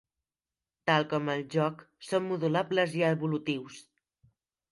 Tal com el joc, són modulables i evolutius.